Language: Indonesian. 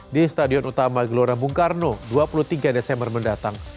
di stadion utama gelora bung karno dua puluh tiga desember mendatang